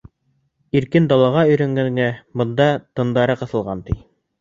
Иркен далаға өйрәнгәнгә бында тындары ҡыҫылған, ти.